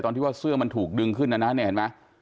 ที่ว่าเสื้อมันถูกดึงขึ้นนะนะเนี่ยเห็นไหม